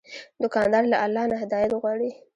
دوکاندار له الله نه هدایت غواړي.